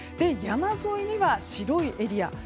山沿いには、白いエリア。